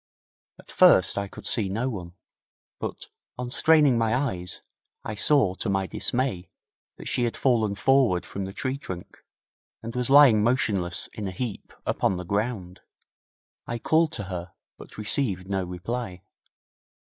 At first I could see no one, but, on straining my eyes, I saw, to my dismay, that she had fallen forward from the tree trunk, and was lying motionless in a heap upon the ground. I called to her, but received no reply.